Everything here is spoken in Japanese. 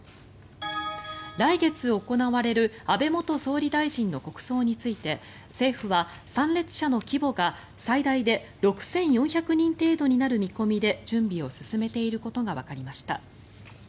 来月行われる安倍元総理大臣の国葬について政府は参列者の規模が、最大で６４００人程度になる見込みで準備を進めていることがわかりました。